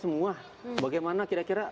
semua bagaimana kira kira